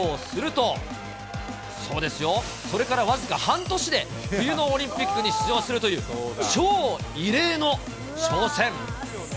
すると、そうですよ、それから僅か半年で冬のオリンピックに出場するという超異例の挑戦。